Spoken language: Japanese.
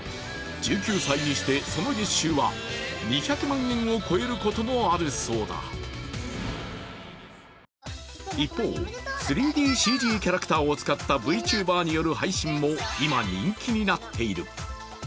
１９歳にして、その月収は２００万円を超えることもあるそうだ一方、３Ｄ、ＣＧキャラクターを使ったＶチューバーによる配信も今、人気になっている。